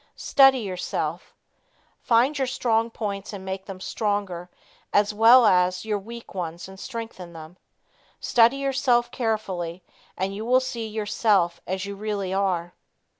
Study yourself. Find Your Strong Points And Make Them Stronger As Well As Your Weak Ones And Strengthen Them. Study yourself carefully and you will see yourself as you really are.